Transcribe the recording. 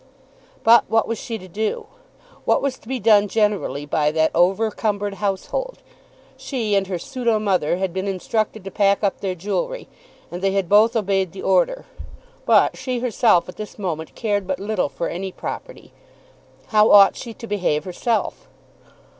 But what was she to do? What was to be done generally by that over cumbered household? She and her pseudo mother had been instructed to pack up their jewellery, and they had both obeyed the order. But she herself at this moment cared but little for any property. How ought she to behave herself?